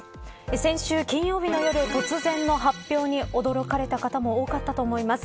先週金曜日の夜突然の発表に驚かれた方も多かったと思います。